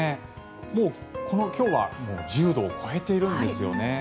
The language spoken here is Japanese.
もう今日は１０度を超えているんですよね。